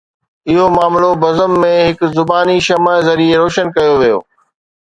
اهو معاملو بزم ۾ هڪ زباني شمع ذريعي روشن ڪيو ويو